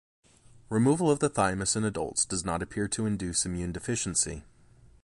Removal of the thymus in adults does not appear to induce immune deficiency.